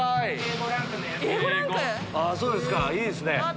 いいですね！